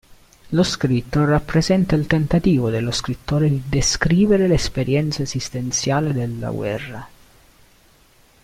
Lo scritto rappresenta il tentativo dello scrittore di descrivere l'esperienza esistenziale della guerra.